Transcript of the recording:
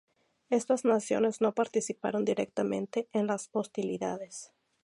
Estas naciones no participaron directamente en las hostilidades.